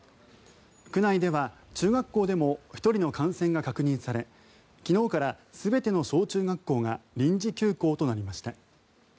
区内では中学校でも１人の感染が確認され昨日から全ての小中学校が臨時休校となりました。